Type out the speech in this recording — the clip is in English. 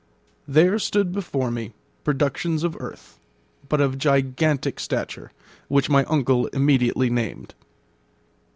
There stood before me productions of earth, but of gigantic stature, which my uncle immediately named.